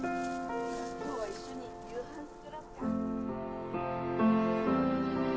今日は一緒に夕飯作ろうか。